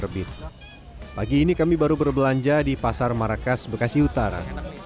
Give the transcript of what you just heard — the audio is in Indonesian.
pagi ini kami baru berbelanja di pasar marakas bekasi utara